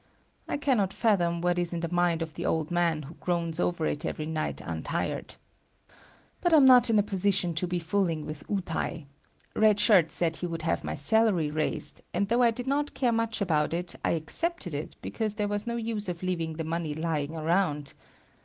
I cannot fathom what is in the mind of the old man who groans over it every night untired. But I'm not in a position to be fooling with "utai." Red Shirt said he would have my salary raised, and though I did not care much about it, I accepted it because there was no use of leaving the money lying around.